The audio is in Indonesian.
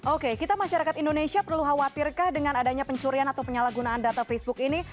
oke kita masyarakat indonesia perlu khawatirkah dengan adanya pencurian atau penyalahgunaan data facebook ini